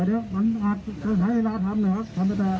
เดี๋ยวใครทายเวลาทำหน่อยครับ